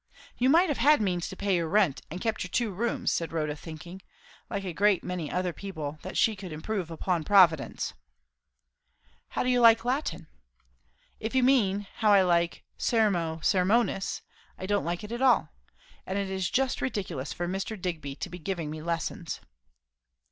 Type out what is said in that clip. "You might have had means to pay your rent, and kept your two rooms," said Rotha; thinking, like a great many other people, that she could improve upon Providence. "How do you like Latin?" "If you mean, how I like Sermo Sermonis, I don't like it at all. And it is just ridiculous for Mr. Digby to be giving me lessons."